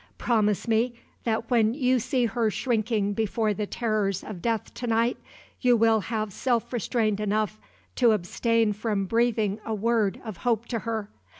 Promise me that when you see her shrinking before the terrors of death to night, you will have self restraint enough to abstain from breathing a word of hope to her.